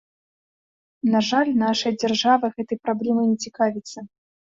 На жаль, нашая дзяржава гэтай праблемай не цікавіцца.